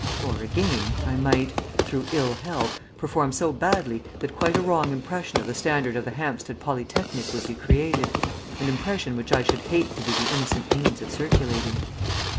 Or again, I might (through ill health) perform so badly that quite a wrong impression of the standard of the Hampstead Polytechnic would be created, an impression which I should hate to be the innocent means of circulating.